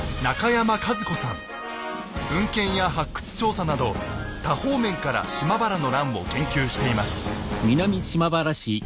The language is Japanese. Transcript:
文献や発掘調査など多方面から島原の乱を研究しています。